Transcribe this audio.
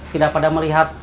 tidak pada melihat